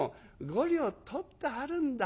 ５両取ってあるんだ。